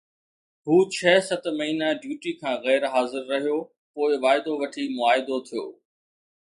هو ڇهه ست مهينا ڊيوٽي کان غير حاضر رهيو، پوءِ واعدو وٺي معاهدو ٿيو.